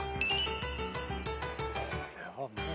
これはもう。